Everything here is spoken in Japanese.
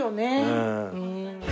うん。